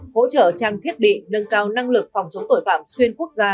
hỗ trợ trang thiết bị nâng cao năng lực phòng chống tội phạm xuyên quốc gia